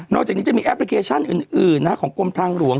อกจากนี้จะมีแอปพลิเคชันอื่นของกรมทางหลวง